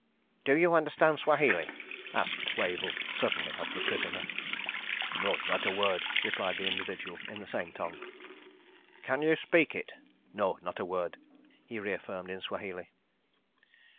"Do you understand Swahili?" asked Wavell, suddenly, of the prisoner. "No, not a word," replied that individual in the same tongue. "Can you speak it?" "No, not a word," he reaffirmed in Swahili.